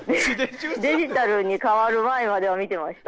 デジタルに変わる前までは見てました。